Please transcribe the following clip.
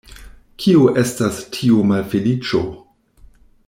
Kio estas tiu malfeliĉo?